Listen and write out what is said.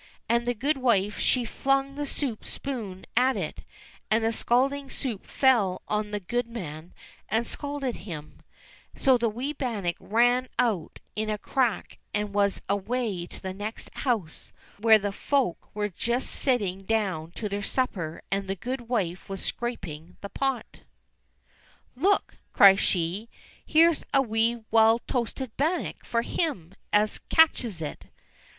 And the goodwife she flung the soup spoon at it, and the scalding soup fell on the good man and scalded him, so the wee bannock ran out in a crack and was away to the next house where the folk were just sitting down to their supper and the goodwife was scraping the pot. THE WEE BANNOCK 261 "Look!" cries she, "here's a wee well toasted bannock for him as catches it!"